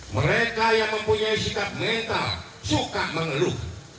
mereka yang mempunyai sikap mental suka mengeluh